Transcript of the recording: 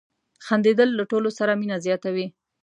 • خندېدل له ټولو سره مینه زیاتوي.